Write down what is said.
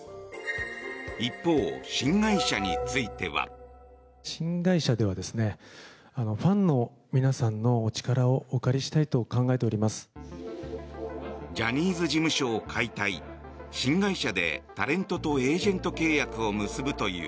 一方、新会社については。ジャニーズ事務所を解体新会社でタレントとエージェント契約を結ぶという